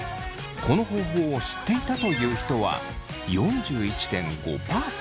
この方法を知っていたという人は４１．５％。